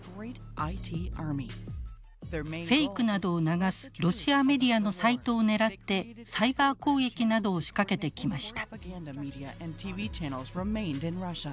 フェイクなどを流すロシアメディアのサイトを狙ってサイバー攻撃などを仕掛けてきました。